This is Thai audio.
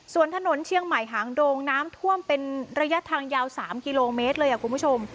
ส่วนถนนเชียงใหม่หางโดงน้ำท่วมเป็นระยะทางยาว๓กิโลเมตรเลยคุณผู้ชม